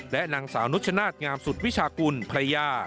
และนางสาวนุชนาธิงามสุดวิชากุลภรรยา